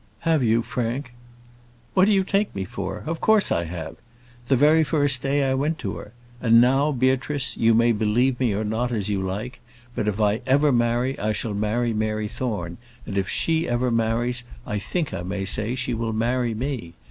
"Have you Frank?" "What do you take me for? Of course, I have. The very first day I went to her. And now, Beatrice, you may believe me or not, as you like; but if I ever marry, I shall marry Mary Thorne; and if ever she marries, I think I may say, she will marry me.